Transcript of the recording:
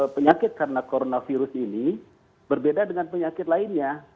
penyakit karena coronavirus ini berbeda dengan penyakit lainnya